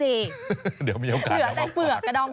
เหลือกแล้วก็นองปูมาคุณ